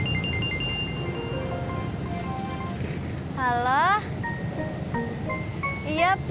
jangan lupa nungguin aku